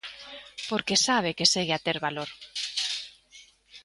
Porque sabe que segue a ter valor.